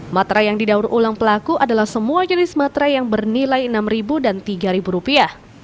matra yang didaur ulang pelaku adalah semua jenis matrai yang bernilai enam ribu dan tiga ribu rupiah